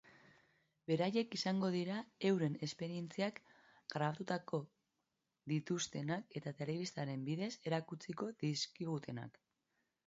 Beraiek izango dira euren esperientziak grabatuko dituztenak eta telebistaren bidez erakutsiko dizkigutenak.